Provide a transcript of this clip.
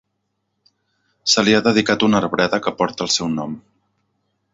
Se li ha dedicat una arbreda, que porta el seu nom.